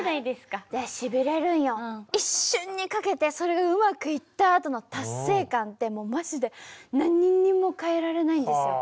一瞬に懸けてそれがうまくいったあとの達成感ってもうマジで何にも変えられないんですよ。